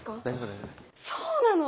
そうなの！